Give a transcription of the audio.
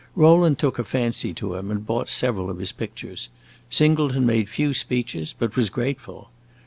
Rowland took a fancy to him and bought several of his pictures; Singleton made few speeches, but was grateful.